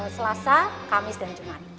selasa kamis dan jumat